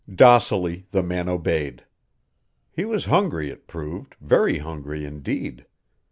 Docilely the man obeyed. He was hungry it proved, very hungry indeed.